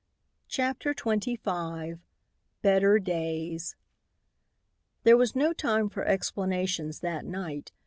CHAPTER XXV BETTER DAYS There was no time for explanations that night.